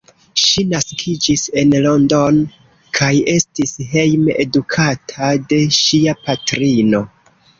Ŝi naskiĝis en London kaj estis hejme edukata de ŝia patrino.